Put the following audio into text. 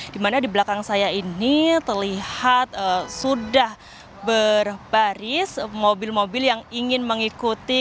dimana di belakang saya ini terlihat sudah berbaris mobil mobil yang ingin mengikuti